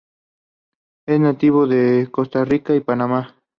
Es nativo de Costa Rica y Panamá.